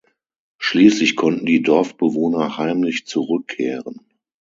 Schließlich konnten die Dorfbewohner heimlich zurückkehren.